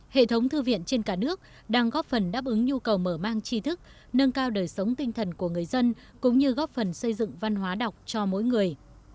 hệ thống thư viện trên cả nước đang góp phần đáp ứng nhu cầu mở mang chi thức nâng cao đời sống tinh thần của người dân cũng như góp phần xây dựng văn hóa đọc cho mỗi người